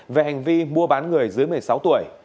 về hành vi mua bán người dưới một mươi sáu tuổi